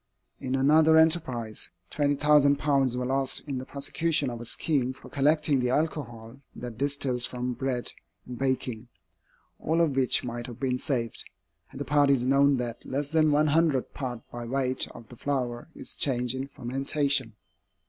In another enterprise, £20,000 were lost in the prosecution of a scheme for collecting the alcohol that distils from bread in baking, all of which might have been saved, had the parties known that less than one hundredth part by weight of the flour is changed in fermentation.